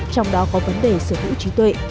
trong đó có vấn đề sở hữu trí tuệ